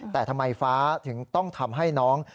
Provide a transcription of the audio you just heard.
แต่ทำไมฟ้าถึงต้องทำให้น้อง